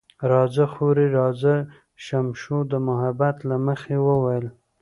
راځه خورې، راځه، شمشو د محبت له مخې وویل.